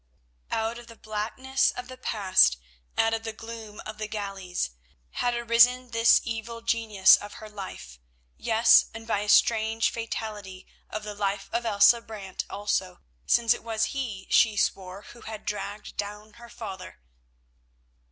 Out of the blackness of the past, out of the gloom of the galleys, had arisen this evil genius of her life; yes, and, by a strange fatality, of the life of Elsa Brant also, since it was he, she swore, who had dragged down her father.